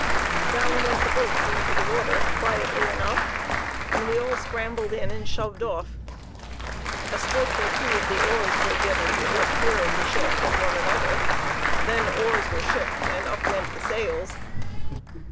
Down went the boats into the water quietly enough, we all scrambled in and shoved off. A stroke or two of the oars were given to get clear of the ship and one another, then oars were shipped and up went the sails.